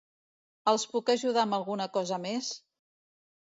Els puc ajudar amb alguna cosa més?